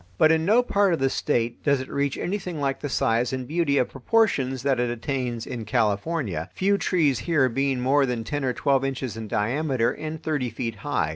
But in no part of the State does it reach anything like the size and beauty of proportions that it attains in California, few trees here being more than ten or twelve inches in diameter and thirty feet high.